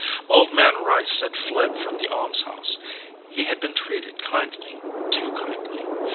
Old Man Rice had fled from the almshouse. He had been treated kindly, too kindly.